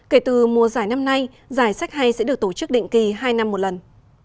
kể từ mùa giải năm nay giải sách hay sẽ được tổ chức định kỳ hai năm một lần